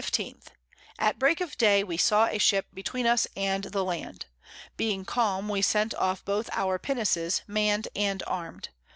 _ At Break of Day we saw a Ship between us and the Land: being calm, we sent off both our Pinnaces mann'd and arm'd.